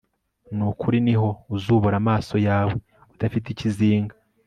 Ni ukuri ni ho uzubura amaso yawe udafite ikizinga